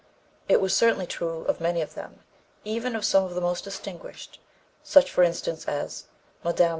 It was certainly true of many of them even of some of the most distinguished such, for instance, as Mme.